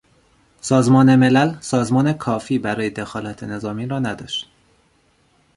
سازمان ملل سازمان کافی برای دخالت نظامی را نداشت.